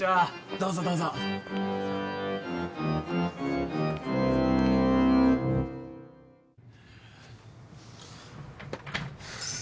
どうぞどうぞ。フゥ。